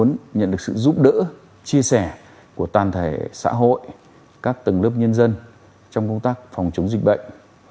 công an muốn nhận được sự giúp đỡ chia sẻ của toàn thể xã hội các tầng lớp nhân dân trong công tác phòng chống dịch bệnh